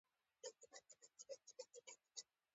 باد د بڼ مرغانو سرود خواره وي